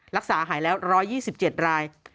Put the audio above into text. รักษาหายแล้ว๑๒๗ราย